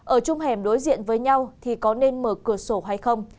ở trong hẻm đối diện với nhau thì có nên mở cửa sổ hay không